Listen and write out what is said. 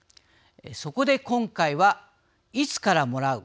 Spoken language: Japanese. そこで今回はいつからもらう？